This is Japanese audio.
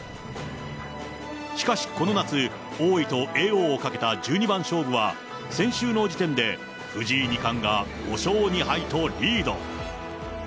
しかしこの夏、王位と叡王をかけた十二番勝負は先週の時点で藤井二冠が５勝２敗とリード。